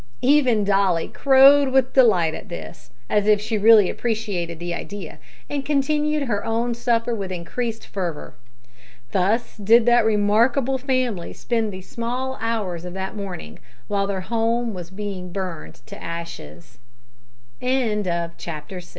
Even Dolly crowed with delight at this, as if she really appreciated the idea, and continued her own supper with increased fervour. Thus did that remarkable family spend the small hours of that morning, while their home was being burned to ashes. CHAPTER SEVEN. MY CIRCUMSTANCES BEGIN TO BRIGHTEN.